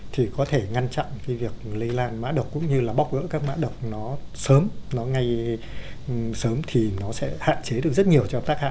thì có thể ngăn chặn cái việc lây lan mã độc cũng như là bóc gỡ các mã độc nó sớm nó ngay sớm thì nó sẽ hạn chế được rất nhiều cho tác hại